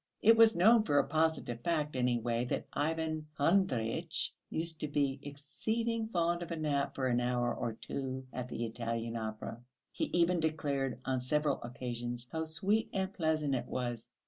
It was known for a positive fact, anyway, that Ivan Andreyitch used to be exceeding fond of a nap for an hour or two at the Italian opera; he even declared on several occasions how sweet and pleasant it was.